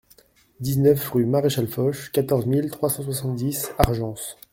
dix-neuf rue Marechal Foch, quatorze mille trois cent soixante-dix Argences